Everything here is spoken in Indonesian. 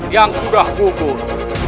yang sudah gugur